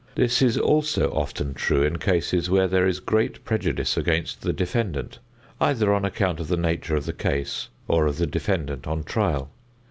This is also often true in cases where there is great prejudice against the defendant, either on account of the nature of the case or of the defendant on trial.